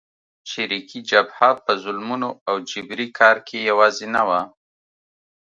چریکي جبهه په ظلمونو او جبري کار کې یوازې نه وه.